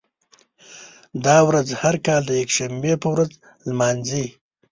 دا ورځ هر کال د یکشنبې په ورځ لمانځي.